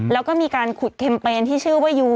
แล้วก็มีการขุดแคมเปญที่ชื่อว่ายู